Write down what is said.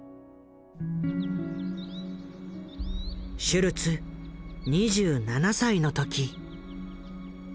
シュルツ２７歳の時。